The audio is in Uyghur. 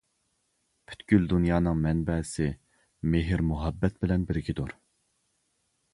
پۈتكۈل دۇنيانىڭ مەنبەسى مېھىر-مۇھەببەت بىلەن بىرگىدۇر!